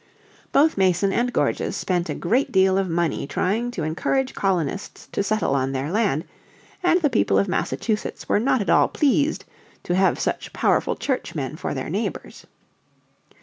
Both Mason and Gorges spent a great deal of money trying to encourage colonists to settle on their land, and the people of Massachusetts were not at all pleased to have such powerful Churchmen for their neighbours.